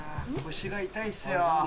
腰が痛いですよ。